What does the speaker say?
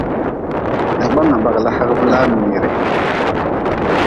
Dagbanga bagli hagʼbe laa miri.